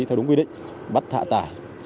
theo đúng quy định bắt thạ tải